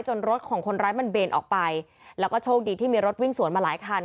รถของคนร้ายมันเบนออกไปแล้วก็โชคดีที่มีรถวิ่งสวนมาหลายคัน